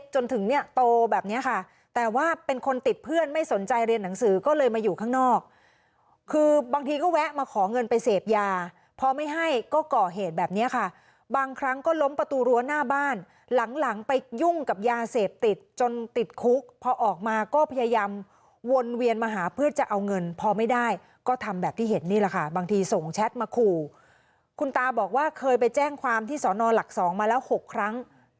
จนถึงเนี่ยโตแบบนี้ค่ะแต่ว่าเป็นคนติดเพื่อนไม่สนใจเรียนหนังสือก็เลยมาอยู่ข้างนอกคือบางทีก็แวะมาขอเงินไปเสพยาพอไม่ให้ก็ก่อเหตุแบบนี้ค่ะบางครั้งก็ล้มประตูรั้วหน้าบ้านหลังไปยุ่งกับยาเสพติดจนติดคุกพอออกมาก็พยายามวนเวียนมาหาเพื่อจะเอาเงินพอไม่ได้ก็ทำแบบที่เห็นนี่แหละค่ะบางทีส่ง